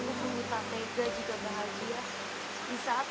aku pun minta tega juga bahagia